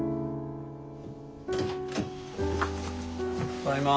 ただいま。